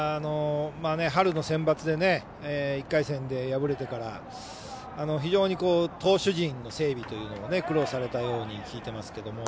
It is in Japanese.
春のセンバツで１回戦で敗れてから非常に投手陣の整備というのが苦労されたように聞いてますけど。